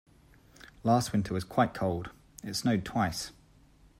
Last winter was quite cold, it snowed twice.